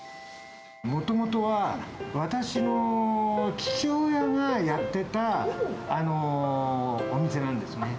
もともとは、私の父親がやっていたお店なんですね。